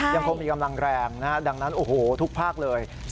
ยังคงมีกำลังแรงนะฮะดังนั้นโอ้โหทุกภาคเลย